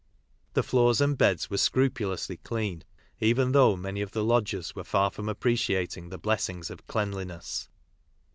The floors and beds were scrupu lously clean, even though many of the lodgers were tar from appreciating the blessings of cleanliness.